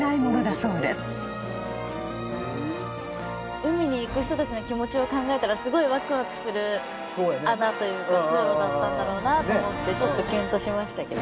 海に行く人たちの気持ちを考えたらすごいワクワクする穴というか通路だったんだろうなと思ってちょっとキュンとしましたけど。